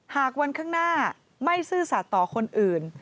หากวันข้างหน้าไม่ซื่อสัตว์ต่อคนอื่น